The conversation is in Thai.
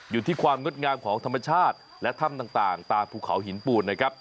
อยู่ที่ความงดงามของธรรมชาติและถ้ำต่างตามภูเขาหินปูนนะครับ